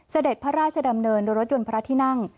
เสด็จพระราชดำเนินโดยรถยนต์พระที่นั่ง